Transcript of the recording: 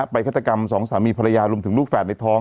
ฆาตกรรมสองสามีภรรยารวมถึงลูกแฝดในท้อง